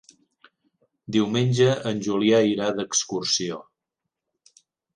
Diumenge en Julià irà d'excursió.